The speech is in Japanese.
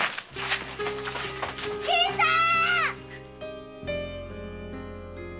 新さん！